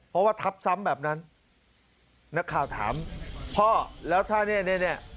เพราะว่าทับซ้ำแบบนั้นนักข่าวถามพ่อแล้วถ้าเนี่ยเนี่ย